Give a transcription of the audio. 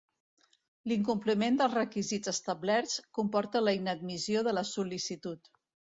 L'incompliment dels requisits establerts comporta la inadmissió de la sol·licitud.